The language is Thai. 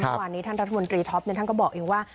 เมื่อวานนี้ท่านรัฐมนตรีท็อปท่านก็บอกเองว่า